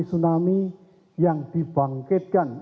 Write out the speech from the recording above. tsunami yang dibangkitkan